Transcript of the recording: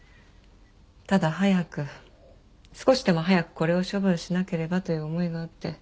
ただ早く少しでも早くこれを処分しなければという思いがあって。